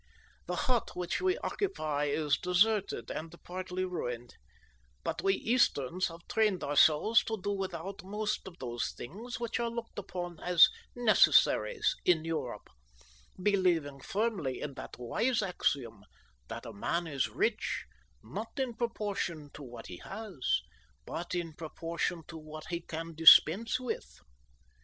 The hut which we occupy is deserted and partly ruined, but we Easterns have trained ourselves to do without most of those things which are looked upon as necessaries in Europe, believing firmly in that wise axiom that a man is rich, not in proportion to what he has, but in proportion to what he can dispense with.